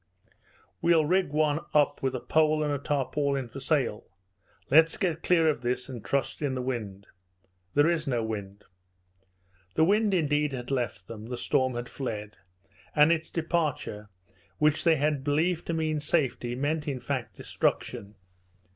"We'll rig one up with a pole and a tarpaulin for sail Let's get clear of this and trust in the wind." "There is no wind." The wind, indeed, had left them, the storm had fled; and its departure, which they had believed to mean safety, meant, in fact, destruction.